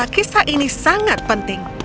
kisah ini sangat penting